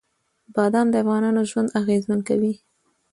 بادام د افغانانو ژوند اغېزمن کوي.